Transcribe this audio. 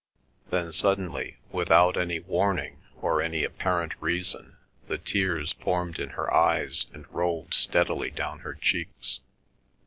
Then suddenly, without any warning or any apparent reason, the tears formed in her eyes and rolled steadily down her cheeks.